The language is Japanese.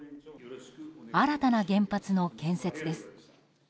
新たな原発の建設です。